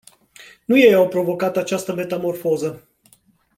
Nu ei au provocat această metamorfoză.